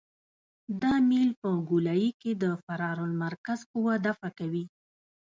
دا میل په ګولایي کې د فرار المرکز قوه دفع کوي